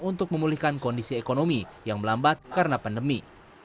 untuk memulihkan kondisi ekonomi yang melambat karena pandemi